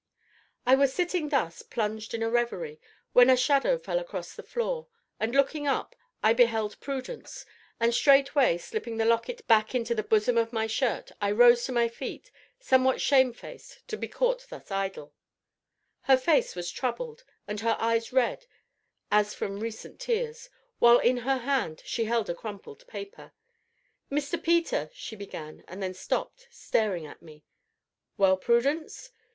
I was sitting thus, plunged in a reverie, when a shadow fell across the floor, and looking up I beheld Prudence, and straightway, slipping the locket back into the bosom of my shirt, I rose to my feet, somewhat shamefaced to be caught thus idle. Her face was troubled, and her eyes red, as from recent tears, while in her hand she held a crumpled paper. "Mr. Peter " she began, and then stopped, staring at me. "Well, Prudence?"